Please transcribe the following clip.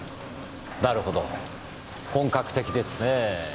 なるほど本格的ですねぇ。